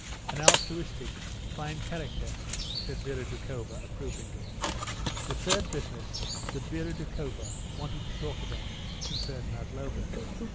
"An altruistic, fine character," said Vera Doukhova, approvingly. The third business that Vera Doukhova wanted to talk about concerned Maslova.